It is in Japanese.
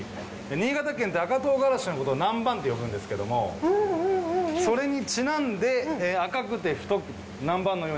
新潟県って赤唐辛子のことを南蛮って呼ぶんですけどもそれにちなんで赤くて太く。